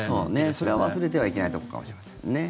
それは忘れてはいけないところかもしれませんね。